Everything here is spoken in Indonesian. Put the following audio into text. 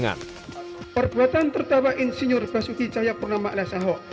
perbuatan terdakwa insinyur basuki cahyapurnama alaih sahab